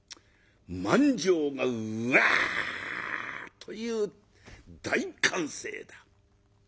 満場がうわっという大歓声だ。